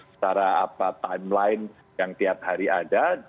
secara timeline yang tiap hari ada